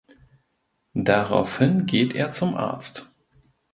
Daraufhin geht er zum Arzt.